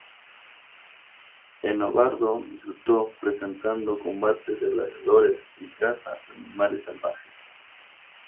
Enobarbo disfrutó presentando combates de gladiadores y cazas de animales salvajes.